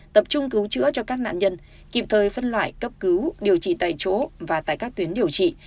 tập trung cứu chữa cho các nạn nhân kịp thời phân loại cấp cứu điều trị tại chỗ và tại các tuyến điều trị